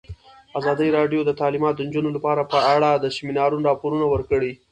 ازادي راډیو د تعلیمات د نجونو لپاره په اړه د سیمینارونو راپورونه ورکړي.